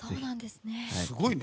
すごいね。